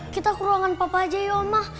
kita ke ruangan papa aja ya omah